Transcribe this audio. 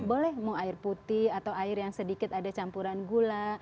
boleh mau air putih atau air yang sedikit ada campuran gula